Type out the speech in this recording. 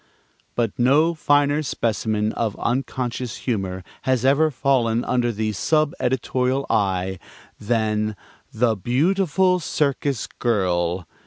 But no finer specimen of unconscious humor has ever fallen under the sub editorial eye than "The Beautiful Circus Girl."